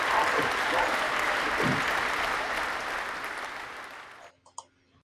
Herbívoros y mamíferos evitan la especie debido a su sabor amargo.